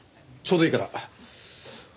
ちょうどいいから。